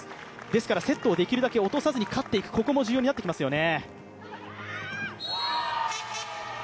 ですからセットをできるだけ落とさずに勝っていく、ここも重要になってきますよね。